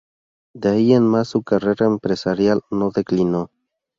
De ahí en más su carrera empresarial no declinó.